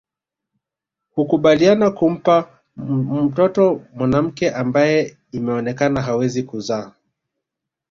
Hukubaliana kumpa mtoto mwanamke ambaye imeonekana hawezi kuzaa